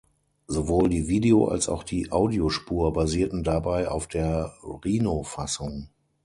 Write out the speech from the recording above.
Sowohl die Video- als auch die Audiospur basierten dabei auf der Rhino-Fassung.